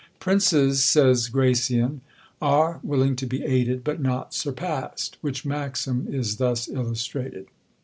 Princes, says Gracian, are willing to be aided, but not surpassed: which maxim is thus illustrated.